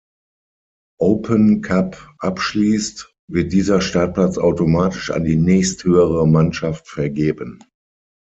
Open Cup abschließt, wird dieser Startplatz automatisch an die nächsthöhere Mannschaft vergeben.